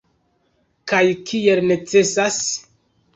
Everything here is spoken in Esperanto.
Kaj kiel necesas.